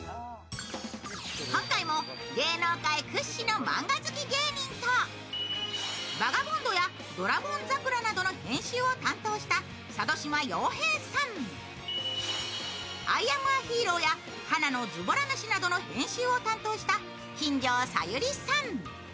今回も芸能界屈指の漫画好き芸人と「バガボンド」や「ドラゴン桜」などの編集を担当した「アイアムアヒーロー」や「花のズボラ飯」などの編集を担当した金城小百合さん。